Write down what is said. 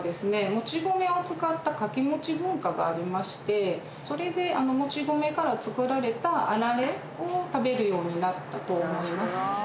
餅米を使ったかきもち文化がありましてそれで餅米から作られたあられを食べるようになったと思います。